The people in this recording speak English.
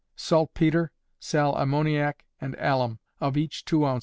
Saltpetre, sal ammoniac, and alum, of each 2 oz.